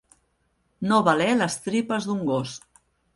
No valer les tripes d'un gos.